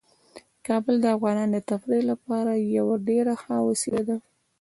کابل د افغانانو د تفریح لپاره یوه ډیره ښه وسیله ده.